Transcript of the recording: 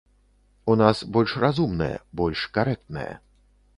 У нас больш разумная, больш карэктная.